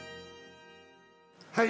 はい。